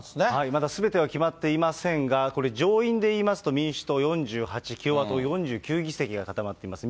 まだすべては決まっていませんが、これ、上院でいいますと民主党４８、共和党４９議席が固まっています。